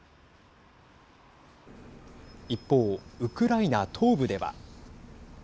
一方、ウクライナ東部では。